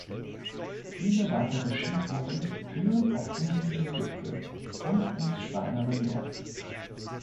Viele weitere Skitouren führen auf umliegende Gipfel und ins Steinerne Meer.